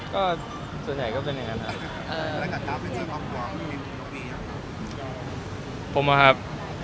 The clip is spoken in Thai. ก็ส่วนใหญ่ก็เป็นอย่างงั้นครับ